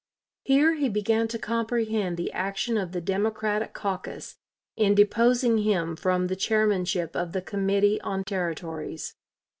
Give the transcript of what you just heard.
Here he began to comprehend the action of the Democratic caucus in deposing him from the chairmanship of the Committee on Territories.